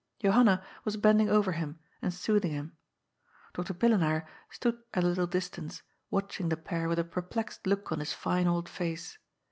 Johanna was bending over him, and soothing him. Dr. Pillenaar stood at a little distance, watching the pair with a perplexed look on his fine old face.